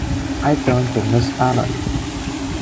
I turned to Miss Allen.